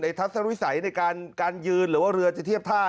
ทัศนวิสัยในการยืนหรือว่าเรือจะเทียบท่า